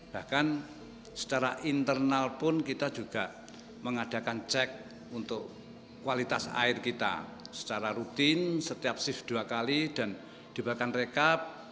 bahkan secara internal pun kita juga mengadakan cek untuk kualitas air kita secara rutin setiap shift dua kali dan diberikan rekap